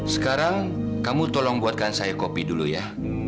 sekarang kamu tolong buatkan saya kopi dulu ya